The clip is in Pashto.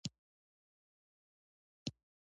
لاسونه دي ښکلي وه